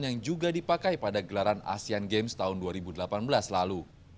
yang juga dipakai pada gelaran asean games tahun dua ribu delapan belas lalu